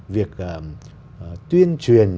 việc tuyên truyền